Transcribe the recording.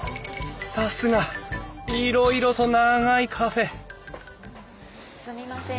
さすがいろいろと長いカフェすみません